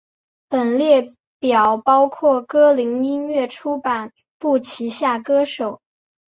本列表包括歌林音乐出版部旗下歌手。